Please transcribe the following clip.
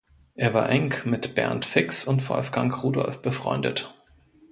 Er war eng mit Bernd Fix und Wolfgang Rudolph befreundet.